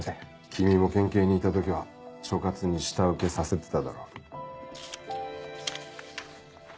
君も県警にいた時は所轄に下請けさせてただろう。